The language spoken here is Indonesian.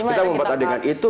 kita membuat adegan itu